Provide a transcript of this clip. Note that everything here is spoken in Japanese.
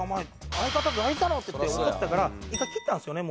相方大事だろ！」って言って怒ったから一回切ったんですよね